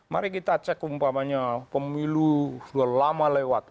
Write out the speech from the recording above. mari kita cek umpamanya pemilu sudah lama lewat